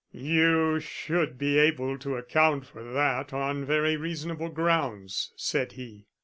"You should be able to account for that on very reasonable grounds," said he.